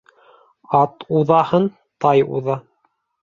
Ат уҙаһын тай уҙа.